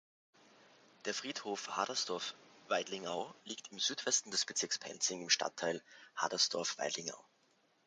Der Friedhof Hadersdorf-Weidlingau liegt im Südwesten des Bezirks Penzing im Stadtteil Hadersdorf-Weidlingau.